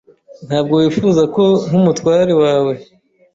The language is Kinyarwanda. Ntabwo wifuza ko nkumutware wawe.